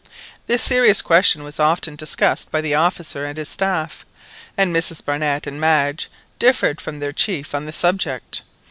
This serious question was often discussed by the officer and his "staff," and Mrs Barnett and Madge differed from their chief on the subject.